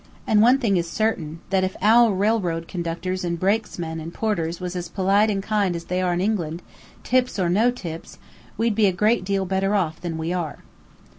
And one thing is certain, that if our railroad conductors and brakes men and porters was as polite and kind as they are in England, tips or no tips, we'd be a great deal better off than we are.